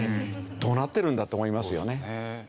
どうなってるんだと思いますよね。